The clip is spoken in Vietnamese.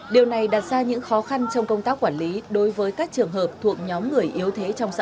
điều này đặt ra những khó khăn trong công tác quản lý đối với các trường hợp thuộc nhóm người yếu thế trong xã hội